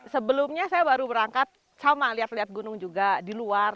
sebelumnya saya baru berangkat sama lihat lihat gunung juga di luar